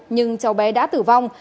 nhưng cháu bé đã tử vong